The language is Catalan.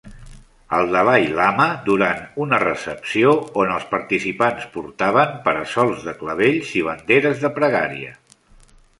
El Dalai Lama durant una recepció on els participants portaven para-sols de clavells i banderes de pregària